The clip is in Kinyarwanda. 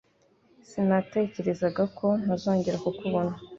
Sinatekerezaga ko ntazongera kukubona